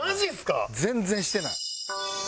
全然してない。